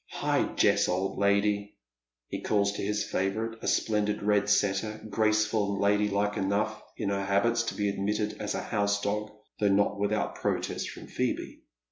*' Hi, Jess, old lady," he calls to his favourite, a splendid red setter, graceful and ladylike enough in her habits to be admitted as a house dog, though not without protest from Phoebe.